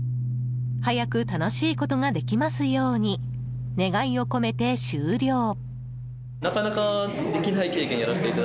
早く楽しいことができますように願いを込めて、終了。